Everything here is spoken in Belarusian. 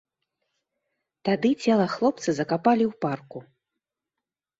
Тады цела хлопца закапалі ў парку.